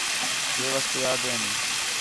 ہِے واسطے آہدین